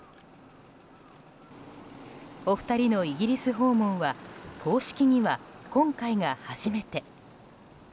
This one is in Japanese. お二人のイギリス訪問は公式には今回が初めて。